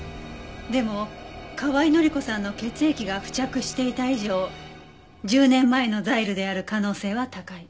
でも河合範子さんの血液が付着していた以上１０年前のザイルである可能性は高い。